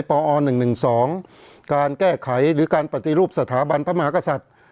ปอ๑๑๒การแก้ไขหรือการปฏิรูปสถาบันพระมหากษัตริย์